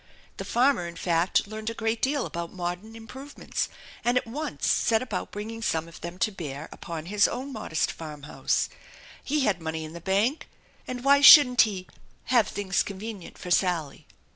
The farmer, in fact, learned a great deal about modern improvements, and at once set about bringing some of them to bear upon his own modest farmhouse. He had money in the bank, and why shouldn't he "nave things convenient for Sally"?